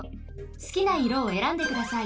すきないろをえらんでください。